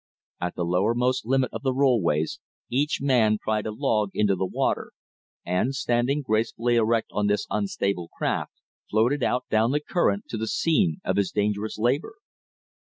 At the lowermost limit of the rollways, each man pried a log into the water, and, standing gracefully erect on this unstable craft, floated out down the current to the scene of his dangerous labor.